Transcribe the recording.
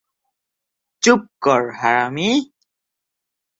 চুপ কর, হারামী!